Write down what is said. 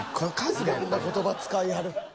いろんな言葉使いはる。